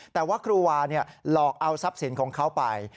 แต่ว่าครูวาหลอกเอาทรัพย์สินของเขาไป